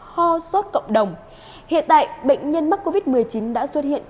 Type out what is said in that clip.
ho sốt cộng đồng hiện tại bệnh nhân mắc covid một mươi chín đã xuất hiện